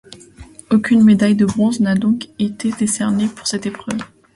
Aucune médaille de bronze n'a donc été décernée pour cette épreuve.